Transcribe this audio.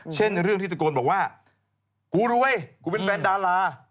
เช่นเรื่องที่ตะโกนบอกว่ากูรวยกูเป็นแฟนดารา